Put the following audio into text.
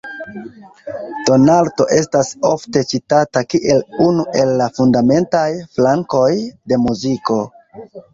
Tonalto estas ofte citata kiel unu el la fundamentaj flankoj de muziko.